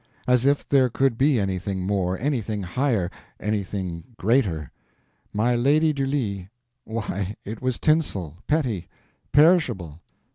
As if there could be anything more, anything higher, anything greater. My Lady Du Lis—why, it was tinsel, petty, perishable.